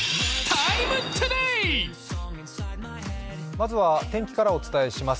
まずは天気からお伝えします。